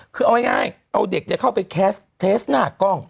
คือเอาง่ายเอาเด็กเข้าไปแคสเทสหน้ากล้อง